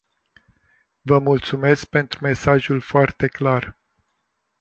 Vă mulțumesc pentru mesajul foarte clar.